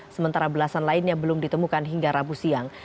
sementara belasan lainnya belum ditemukan hingga rabu siang